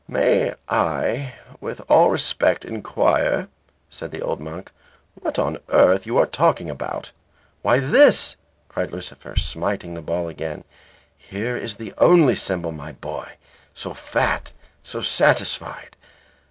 "May I with all respect inquire," asked the old monk, "what on earth you are talking about?" "Why this," cried Lucifer, smiting the ball again, "here is the only symbol, my boy. So fat. So satisfied.